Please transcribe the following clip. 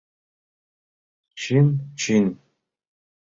— Чын, чын.